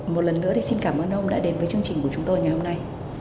một lần nữa thì xin cảm ơn ông đã đến với chương trình của chúng tôi ngày hôm nay